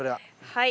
はい。